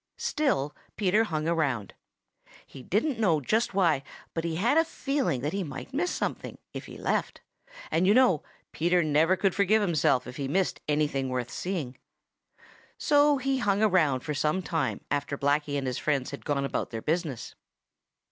Still Peter hung around. He didn't know just why, but he had a feeling that he might miss something if he left, and you know Peter never could forgive himself if he missed anything worth seeing. So he hung around for some time after Blacky and his friends had gone about their business.